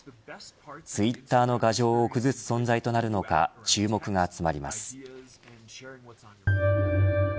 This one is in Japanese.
ツイッターの牙城を崩す存在となるのか注目が集まります。